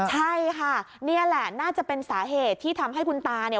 ใช่ค่ะนี่แหละน่าจะเป็นสาเหตุที่ทำให้คุณตาเนี่ย